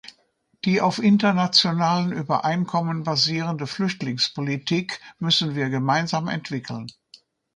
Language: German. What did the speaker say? Die auf internationalen Übereinkommen basierende Flüchtlingspolitik müssen wir gemeinsam entwickeln.